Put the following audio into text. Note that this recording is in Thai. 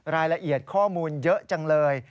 รายละเอียดข้อมูลเยอะจังเลย